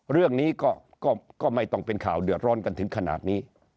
เรื่องนี้ก็ไม่ต้องเป็นข่าวเดือดร้อนกันถึงขนาดนี้